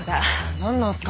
何なんすか？